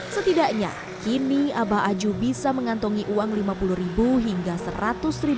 setidaknya kini abah aju bisa mengantongi uang lima puluh rupiah